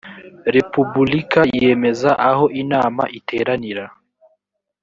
repubulika yemeza aho inama iteranira